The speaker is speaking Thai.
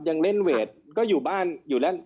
ยังเล่นเวทก็อยู่บ้านอยู่เล่น